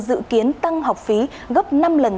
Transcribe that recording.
dự kiến tăng học phí gấp năm lần